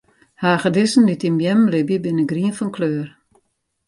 Hagedissen dy't yn beammen libje, binne grien fan kleur.